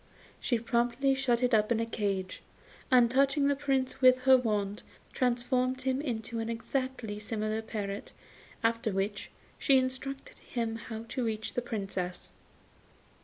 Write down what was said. She promptly shut it up in a cage, and, touching the Prince with her wand, transformed him into an exactly similar parrot; after which, she instructed him how to reach the Princess.